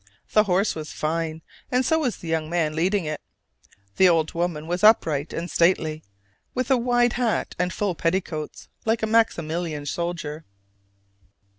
The horse was fine, and so was the young man leading it: the old woman was upright and stately, with a wide hat and full petticoats like a Maximilian soldier.